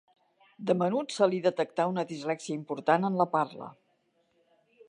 De menut se li detectà una dislèxia important en la parla.